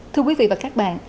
thưa quý vị và các bạn